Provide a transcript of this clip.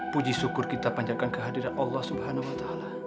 puji syukur kita panjatkan kehadiran allah swt